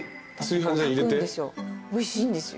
おいしいんですよ。